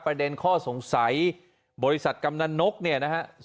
ประเด็นข้อสงสัยบริษัทกำนันนกเนี่ยนะฮะ